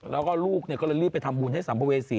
แล้วก็ลูกก็เลยรีบไปทำบุญให้สัมภเวษี